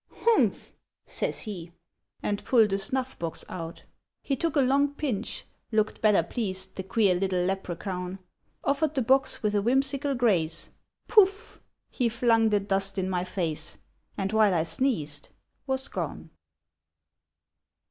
'Humph!' says he, And pull'd a snuff box out. He took a long pinch, look'd better pleased, The queer little Lepracaun; Offer'd the box with a whimsical grace, Pouf! he flung the dust in my face, And while I sneezed, Was gone!